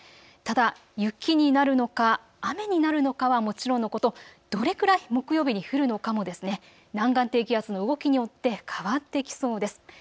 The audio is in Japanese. ただ雪になるのか雨になるのかはもちろんのこと、どれくらい木曜日に降るのかも南岸低気圧の動きによって変わってきそうです。